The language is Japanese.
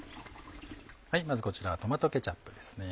まずこちらはトマトケチャップですね。